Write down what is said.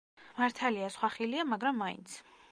მართალია, სხვა ხილია, მაგრამ მაინც.